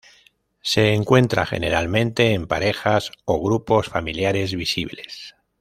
Se encuentra generalmente en parejas o grupos familiares visibles.